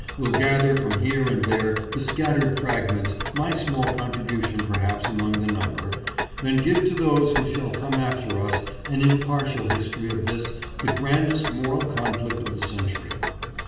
will gather from here and there the scattered fragments, my small contribution perhaps among the number, and give to those who shall come after us an impartial his tory of this the grandest moral conflict of the century.